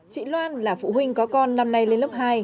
chị loan là phụ huynh có con năm nay lên lớp hai